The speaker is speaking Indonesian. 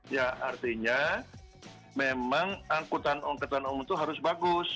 ya artinya memang angkutan angkutan umum itu harus bagus